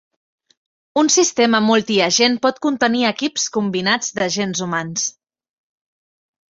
Un sistema multi-agent pot contenir equips combinats d'agents humans.